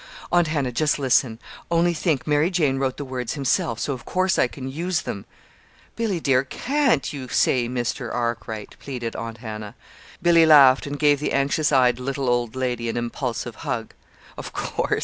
"Aunt Hannah, just listen! Only think Mary Jane wrote the words himself, so of course I can use them!" "Billy, dear, can't you say 'Mr. Arkwright'?" pleaded Aunt Hannah. Billy laughed and gave the anxious eyed little old lady an impulsive hug. "Of course!